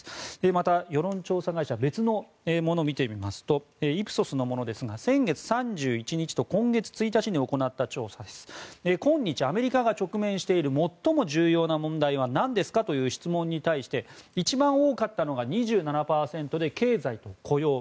また、世論調査会社別のものを見てみますとイプソスのものですが先月３１日と今月１日に行った調査ですが今日、アメリカが直面している最も重要な問題は何ですかという質問に対して一番多かったのが２７％で経済・雇用。